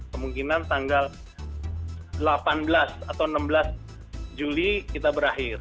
kemungkinan tanggal delapan belas atau enam belas juli kita berakhir